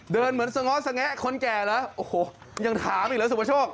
เดินเหมือนสงสงะสงะคนแก่ละโอ้โหยังถามอีกละสุภาโชค